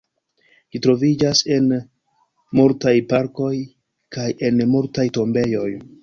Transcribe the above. Ĝi troviĝas en multaj parkoj kaj en multaj tombejoj.